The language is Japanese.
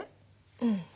うん。